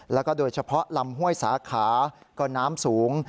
แล้วก็โดยเฉพาะลำห้วยสาขาก็น้ำสูง